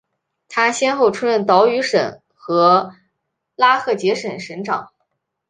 他先后出任岛屿省和拉赫杰省省长。